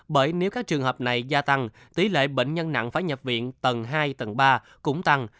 bởi nếu các trường hợp này gia tăng tỷ lệ bệnh nhân nặng phải nhập viện tầng hai tầng ba cũng tăng